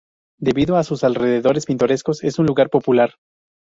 Debido a sus alrededores pintorescos es un lugar popular.